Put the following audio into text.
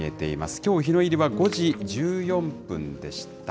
きょう、日の入りは５時１４分でした。